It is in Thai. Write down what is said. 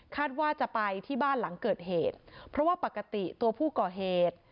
ว่าจะไปที่บ้านหลังเกิดเหตุเพราะว่าปกติตัวผู้ก่อเหตุ